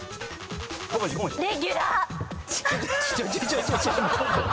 レギュラー！